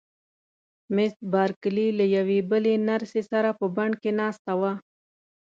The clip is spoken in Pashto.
مس بارکلي له یوې بلې نرسې سره په بڼ کې ناسته وه.